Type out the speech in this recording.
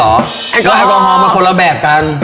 แล้วแฮปลองฮอล์มันคนละแบบกัน